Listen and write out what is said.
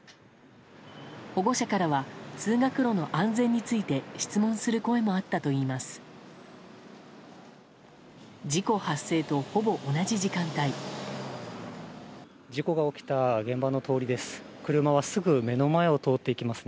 保護者からは通学路の安全について質問する声もあったといいます。